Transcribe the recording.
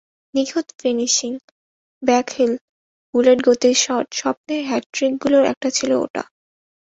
নিখুঁত finishing, backheel, bullet গতির shot, স্বপ্নের হ্যাটট্রিকগুলোর একটা ছিল ওটা।